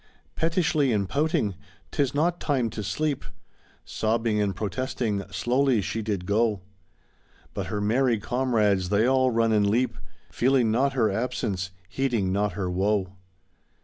Pettishly and pouting, " 'Tis not time to sleep,*' Sobbing and protesting, slowly she did go; But her merry comrades they all run and leap, Feeling not her absence, heeding not her woe.